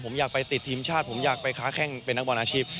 ผมอยากไปติดทีมชาติผมอยากไปค้าแข้งเป็นนักบอลอาชีพ